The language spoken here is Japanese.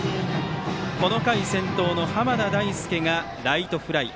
この回、先頭の濱田大輔がライトフライ。